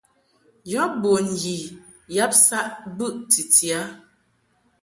Yɔ bun yi yab saʼ bɨʼ titi a.